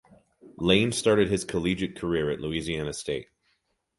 Lane started his collegiate career at Louisiana State.